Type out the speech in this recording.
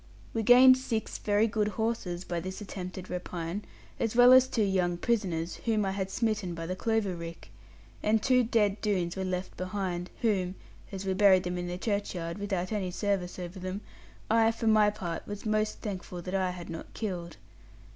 We gained six very good horses, by this attempted rapine, as well as two young prisoners, whom I had smitten by the clover rick. And two dead Doones were left behind, whom (as we buried them in the churchyard, without any service over them), I for my part was most thankful that I had not killed.